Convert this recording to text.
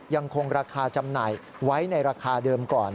ยังคงราคาจำหน่ายไว้ในราคาเดิมก่อน